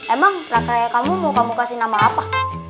emang prakarya kamu mau kamu kasih nama apa